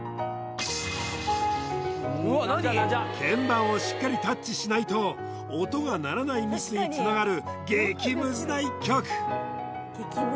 鍵盤をしっかりタッチしないと音が鳴らないミスにつながる激ムズな一曲